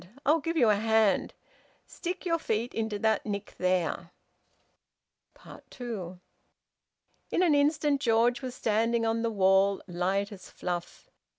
"I'll give you a hand. Stick your feet into that nick there." TWO. In an instant George was standing on the wall, light as fluff.